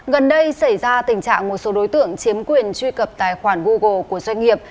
gần đây xảy ra tình trạng một số đối tượng chiếm quyền truy cập tài khoản google của doanh nghiệp